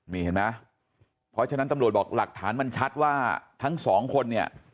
นี่เห็นไหมเพราะฉะนั้นตำรวจบอกหลักฐานมันชัดว่าทั้งสองคนเนี่ย